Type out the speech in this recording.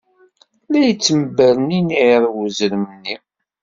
La yettembernenniḍ wezrem-nni.